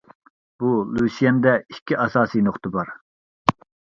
بۇ لۇشيەندە ئىككى ئاساسىي نۇقتا بار.